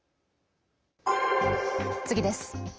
次です。